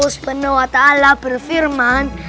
sepenuhat allah berfirman